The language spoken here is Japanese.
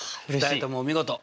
２人ともお見事！